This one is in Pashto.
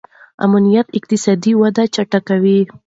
امنیت اقتصادي وده چټکوي.